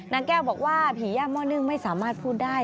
นางแก้วบอกว่าผีย่าหม้อนึ่งไม่สามารถพูดได้